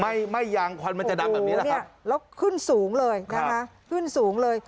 ไหม้ยางควันมันจะดับแบบนี้ล่ะครับแล้วขึ้นสูงเลยนะคะขึ้นสูงเลย